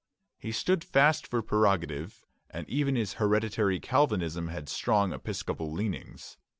He stood fast for prerogative, and even his hereditary Calvinism had strong Episcopal leanings.